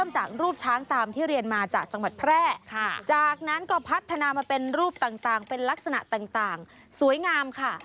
จากรูปช้างตามที่เรียนมาจากจังหวัดแพร่จากนั้นก็พัฒนามาเป็นรูปต่างเป็นลักษณะต่างสวยงามค่ะ